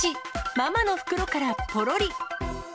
ママの袋からぽろり。